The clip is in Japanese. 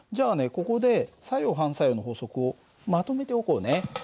ここで作用・反作用の法則をまとめておこうね。